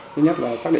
thứ nhất là sắc